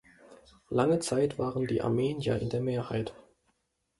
Lange Zeit waren die Armenier in der Mehrheit.